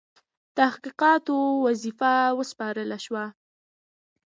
تحقیقاتو وظیفه وسپارله شوه.